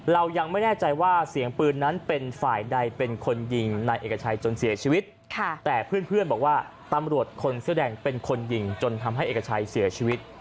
เรายังไม่แน่ใจว่าเสียงปืนนั้นเป็นฝ่ายใดเป็นคนยิงนายเอกชัยจนเสียชีวิตแต่เพื่อนบอกว่าตำรวจคนเสื้อแดงเป็นคนยิงจนทำให้เอกชัยเสียชีวิต